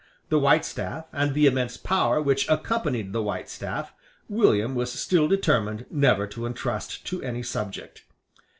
The white staff, and the immense power which accompanied the white staff, William was still determined never to entrust to any subject.